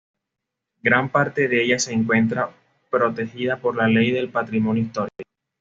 Gran parte de ella se encuentra protegida por la ley de patrimonio histórico.